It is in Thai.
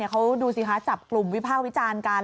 เขาดูสิคะจับกลุ่มวิภาควิจารณ์กัน